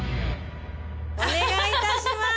お願い致します。